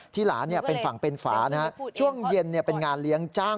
หลานเป็นฝั่งเป็นฝานะฮะช่วงเย็นเป็นงานเลี้ยงจ้าง